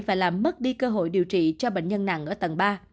và làm mất đi cơ hội điều trị cho bệnh nhân nặng ở tầng ba